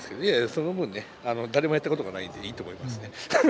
その分ね誰もやったことがないんでいいと思いますね。